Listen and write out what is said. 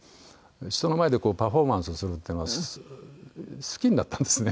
人の前でパフォーマンスするっていうのが好きになったんですね。